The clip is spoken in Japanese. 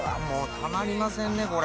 もうたまりませんね